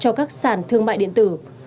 cho các sản thương mại điện tử